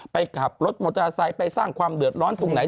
ไปขับรถมอเตอร์ไซค์ไปสร้างความเดือดร้อนตรงไหน